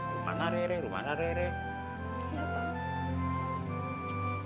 rumahnya rerek rumahnya rerek